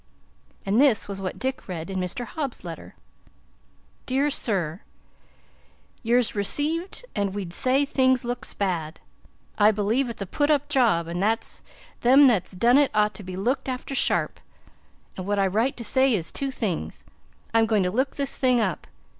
And this was what Dick read in Mr. Hobbs's letter: "DEAR SIR: Yrs received and wd say things looks bad. I believe its a put up job and them thats done it ought to be looked after sharp. And what I write to say is two things. Im going to look this thing up.